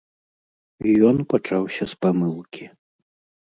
Ён пачаўся з памылкі!